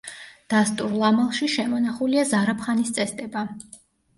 დასტურლამალში შემონახულია ზარაფხანის წესდება.